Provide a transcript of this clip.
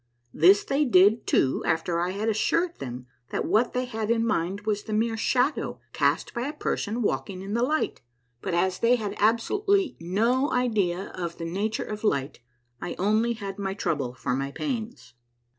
This they did, too, after I had assured them that what they had in mind was the mere shadow cast by a person walking in the light. But as they had absolutely no idea of the nature of light, I only had my trouble for my pains.